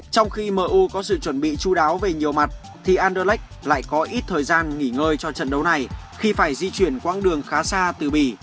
trong khi mo có sự chuẩn bị chú đáo về nhiều mặt thì anderlake lại có ít thời gian nghỉ ngơi cho trận đấu này khi phải di chuyển quãng đường khá xa từ bỉ